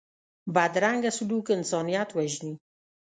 بدرنګه سلوک انسانیت وژني